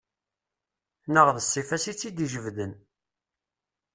Neɣ d ssifa-s i tt-id-ijebden.